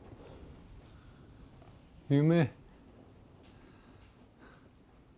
夢。